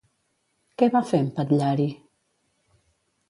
Què va fer en Patllari?